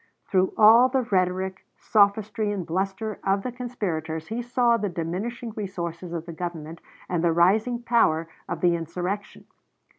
Through all the rhetoric, sophistry, and bluster of the conspirators he saw the diminishing resources of the Government and the rising power of the insurrection.